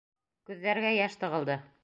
Күҙҙәргә йәш тығылды.